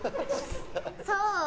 そう？